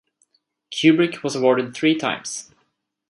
Kubrick was awarded three times.